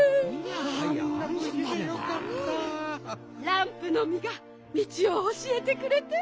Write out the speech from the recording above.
ランプのみがみちをおしえてくれて。